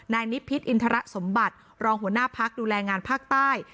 นายนิพิษอินทรสมบัติรองหัวหน้าพักดูแลงานภาคใต้